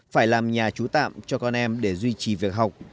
phải làm nhà chú tạm cho con em để duy trì việc học